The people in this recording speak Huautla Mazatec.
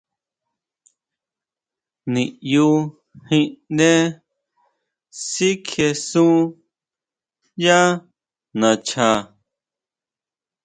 Niʼyujinʼndé sikjiʼesun yá nacha.